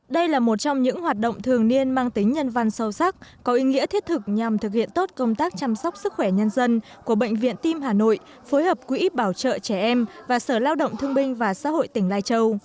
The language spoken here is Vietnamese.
đây là một trong những hoạt động thường niên mang tính nhân văn sâu sắc có ý nghĩa thiết thực nhằm thực hiện tốt công tác chăm sóc sức khỏe nhân dân của bệnh viện tim hà nội phối hợp quỹ bảo trợ trẻ em và sở lao động thương binh và xã hội tỉnh lai châu